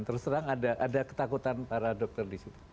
terus terang ada ketakutan para dokter disitu